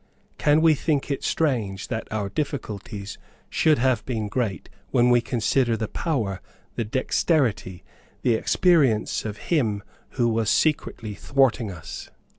Can we think it strange that our difficulties should have been great, when we consider the power, the dexterity, the experience of him who was secretly thwarting us?